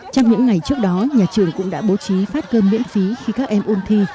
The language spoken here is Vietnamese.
trong những ngày trước đó nhà trường cũng đã bố trí phát cơm miễn phí khi các em ôn thi